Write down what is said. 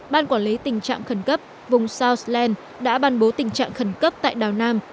ban quản lý tình trạng khẩn cấp vùng southland đã bàn bố tình trạng khẩn cấp tại đảo nam